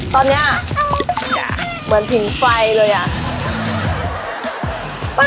ตอนนี้แบบเผ็นใฟเลยอะ